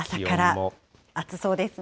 朝から暑そうですね。